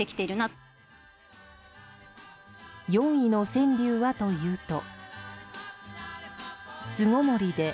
４位の川柳はというと。